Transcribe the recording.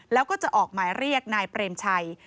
แล้วก็จะออกหมายเรียกนายเปรมชัย